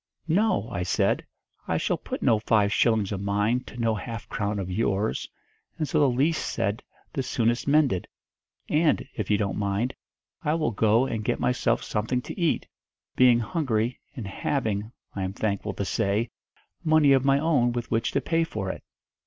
'No!' I said, 'I shall put no five shillings of mine to no half crown of yours, and so the least said the soonest mended. And, if you don't mind, I will go and get myself something to eat, being hungry, and having, I am thankful to say, money of my own with which to pay for it.'